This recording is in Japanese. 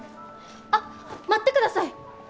あっ待ってください！